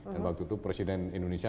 dan waktu itu presiden indonesia